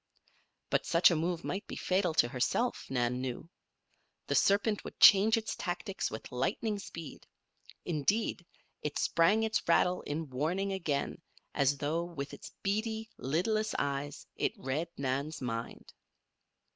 But such a move might be fatal to herself, Nan knew. The serpent would change its tactics with lightning speed. Indeed, it sprang its rattle in warning again as though, with its beady, lidless eyes, it read Nan's mind.